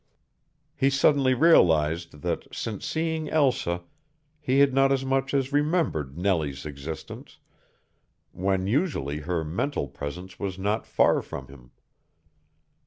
He suddenly realized that, since seeing Elsa, he had not as much as remembered Nellie's existence, when usually her mental presence was not far from him.